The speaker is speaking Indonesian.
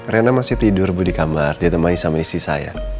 rena masih tidur bu di kamar dia temani sama istri saya